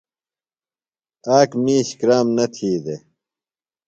آک مِیش کرام نہ تھی دےۡ۔